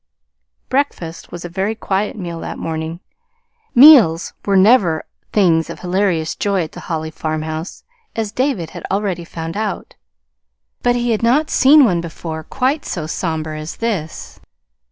Breakfast was a very quiet meal that morning. Meals were never things of hilarious joy at the Holly farmhouse, as David had already found out; but he had not seen one before quite so somber as this.